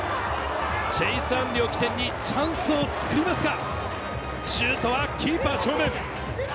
チェイス・アンリを起点にチャンスをつくりますが、シュートはキーパー正面。